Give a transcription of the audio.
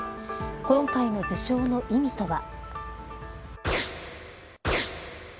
今回の受賞の意味とは。